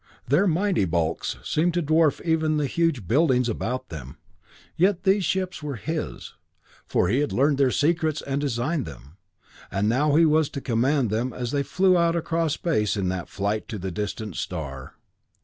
Their mighty bulks seemed to dwarf even the huge buildings about them. Yet these ships were his for he had learned their secrets and designed them, and now he was to command them as they flew out across space in that flight to the distant star.